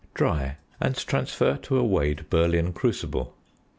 Dry, and transfer to a weighed Berlin crucible.